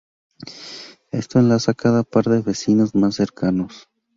Esto enlaza cada par de vecinos más cercanos.